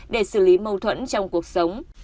để xử lý mâu thuẫn trong cuộc sống